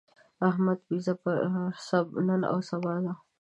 د احمد وېزه پر نن او سبا ده.